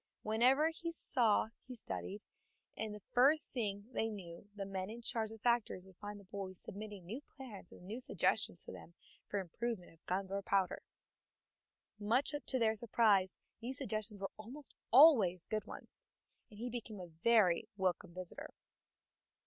Whatever he saw he studied, and the first thing they knew the men in charge of the factories would find the boy submitting new plans and new suggestions to them for the improvement of guns or powder. Much to their surprise these suggestions were almost always good ones, and he became a very welcome visitor.